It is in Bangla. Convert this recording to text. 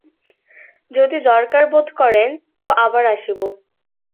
যদি দরকার বোধ করেন তো আবার আসিব।